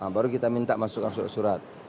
baru kita minta masukkan surat surat